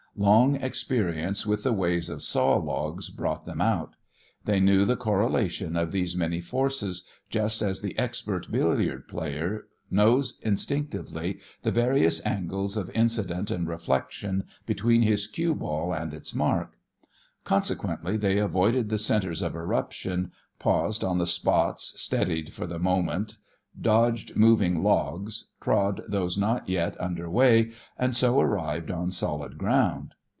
Long experience with the ways of saw logs brought them out. They knew the correlation of these many forces just as the expert billiard player knows instinctively the various angles of incident and reflection between his cue ball and its mark. Consequently they avoided the centres of eruption, paused on the spots steadied for the moment, dodged moving logs, trod those not yet under way, and so arrived on solid ground.